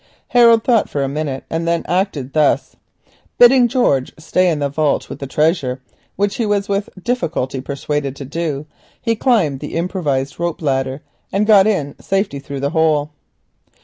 Harold thought for a minute, and then acted thus. Bidding George stay in the vault with the treasure, which he was with difficulty persuaded to do, he climbed the improvised rope ladder, and got in safety through the hole.